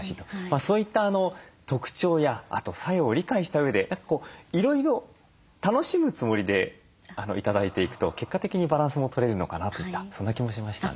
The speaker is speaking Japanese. そういった特徴や作用を理解したうえでいろいろ楽しむつもりで頂いていくと結果的にバランスもとれるのかなといったそんな気もしましたね。